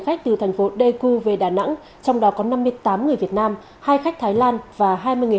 khách từ thành phố daeku về đà nẵng trong đó có năm mươi tám người việt nam hai khách thái lan và hai mươi người